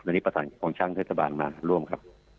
วันนี้ประสานกองช่างเทศบาลมาร่วมครับ